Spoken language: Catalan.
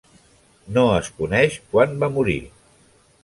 No es coneix quan va morir.